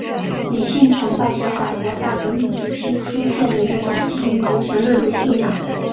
理性崇拜是法国大革命时期出现的一种基于无神论的信仰。